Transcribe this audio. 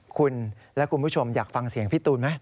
คุณและคุณผู้ชมอยากฟังเสียงพี่ตูนไหม